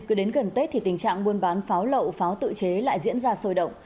cứ đến gần tết thì tình trạng buôn bán pháo lậu pháo tự chế lại diễn ra sôi động